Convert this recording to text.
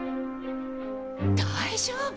大丈夫？